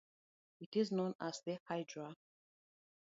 It is known as the Hydra.